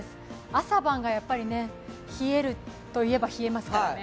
朝晩がやっぱり冷えるといえば冷えますからね。